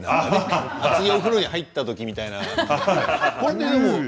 熱いお風呂に入ったみたいな。